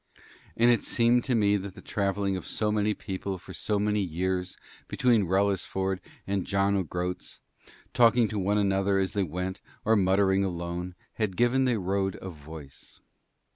And it seemed to me that the travelling of so many people for so many years between Wrellisford and John o' Groat's, talking to one another as they went or muttering alone, had given the road a voice.